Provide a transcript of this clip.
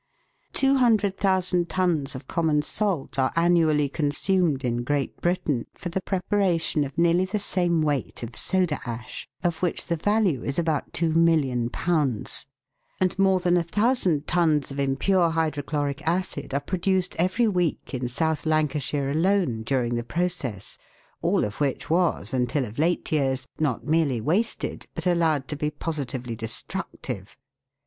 Two hundred thousand tons of common salt are annually consumed in Great Britain for the preparation of nearly the same weight of soda ash, of which the value is about ^2,000,000 ; and more than 1,000 tons of impure hydro chloric acid are produced every week in South Lancashire alone during the process, all of which was, until of late years, not merely wasted but allowed to be positively destructive.